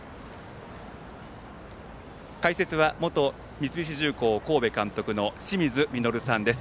解説は元三菱重工神戸監督の清水稔さんです。